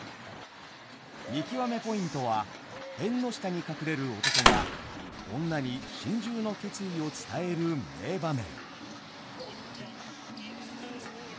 見きわめポイントは縁の下に隠れる男が女に心中の決意を伝える名場面。